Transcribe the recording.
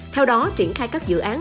theo đó triển khai các dự án